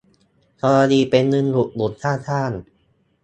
กรณีเป็นเงินอุดหนุนค่าจ้าง